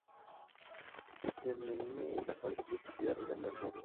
Entertainment, la cual a su vez es propiedad de WarnerMedia.